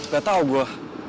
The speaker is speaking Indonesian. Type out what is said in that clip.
gak tau gue